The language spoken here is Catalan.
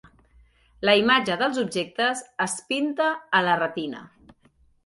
La imatge dels objectes es pinta a la retina.